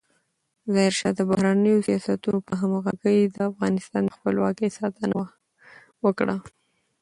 ظاهرشاه د بهرنیو سیاستونو په همغږۍ د افغانستان د خپلواکۍ ساتنه وکړه.